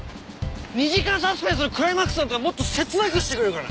２時間サスペンスのクライマックスなんだからもっと切なくしてくれるかな？